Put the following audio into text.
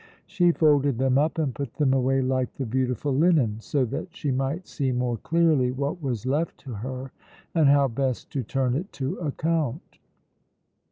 She folded them up and put them away like the beautiful linen, so that she might see more clearly what was left to her and how best to turn it to account.